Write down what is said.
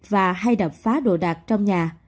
và hay đập phá đồ đạc trong nhà